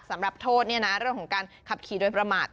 สำหรับโทษเรื่องของการขับขี่โดยประมาท